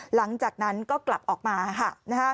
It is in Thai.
หลังจากนั้นก็กลับออกมาค่ะ